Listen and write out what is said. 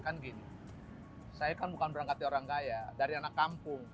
ya kan gini saya kan bukan berangkat dari orang kaya dari anak kampung